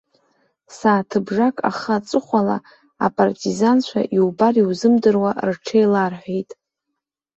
Сааҭыбжак ахы-аҵыхәала, апартизанцәа, иубар иузымдыруа рҽеиларҳәеит.